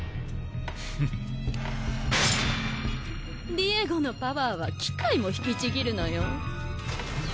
ディエゴのパワーは機械も引きちぎるのよ。